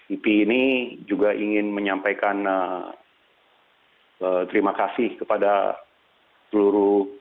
ipi ini juga ingin menyampaikan terima kasih kepada seluruh